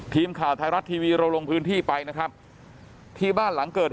ทีมข่าวไทยรัฐทีวีเราลงพื้นที่ไปนะครับที่บ้านหลังเกิดเหตุ